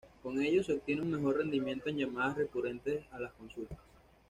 Con ello se obtiene un mejor rendimiento en llamadas recurrentes a las consultas.